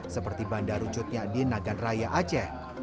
seperti bandar ujutnya di nagan raya aceh